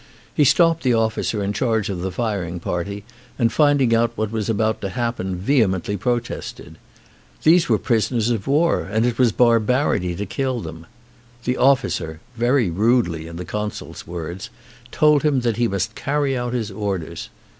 He stopped the officer in charge of the firing party and finding out what was about to happen vehemently protested. These w*ere prisoners of war and it was barbarity to kill them. The officer — very rudely, in the consul's words — told him that he must carry out his orders.